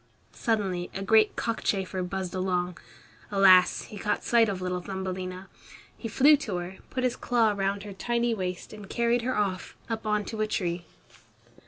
Suddenly a great cockchafer buzzed along. Alas! he caught sight of little Thumbelina. He flew to her, put his claw round her tiny waist and carried her off, up on to a tree.